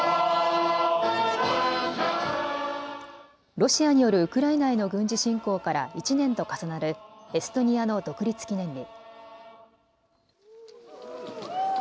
ロシアによるウクライナへの軍事侵攻から１年と重なるエストニアの独立記念日。